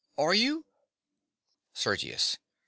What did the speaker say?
_) Are you? SERGIUS.